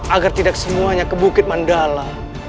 agar tidak semuanya ke bukit mandala